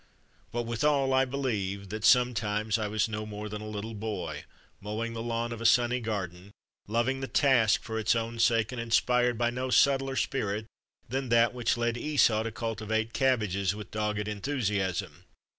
But with all I believe that sometimes I was no more than a little boy, mowing the lawn of a sunny garden, loving the task for its own sake, and inspired by no subtler spirit than that which led Esau to cultivate cab bages with dogged enthusiasm.